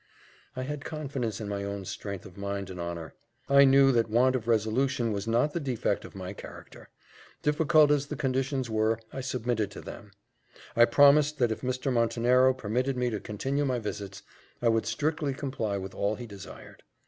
I had confidence in my own strength of mind and honour; I knew that want of resolution was not the defect of my character. Difficult as the conditions were, I submitted to them I promised that if Mr. Montenero permitted me to continue my visits, I would strictly comply with all he desired.